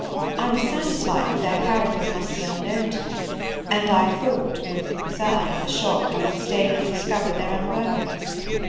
I was satisfied that their characters must be unknown to you; and I thought, with concern, of the shock you would sustain when you discovered their unworthiness.